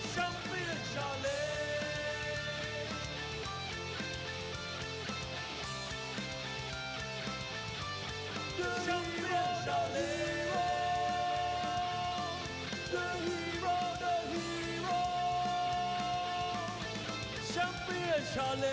จังหวะต่อยมัดหนึ่งสองแล้วพยายามจะเสียด้วยมัดขวา